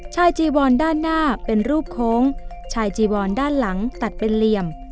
จีวอนด้านหน้าเป็นรูปโค้งชายจีวอนด้านหลังตัดเป็นเหลี่ยม